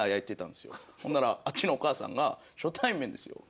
ほんならあっちのお母さんが初対面ですよ？